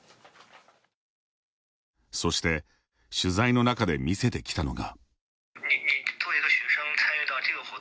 そして取材の中で見せてきたのが。